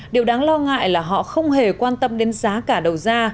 điều đáng lo ngại là họ không hề quan tâm đến giá cả đầu ra